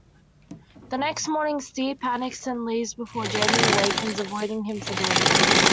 The next morning, Ste panics and leaves before Jamie awakens, avoiding him for days.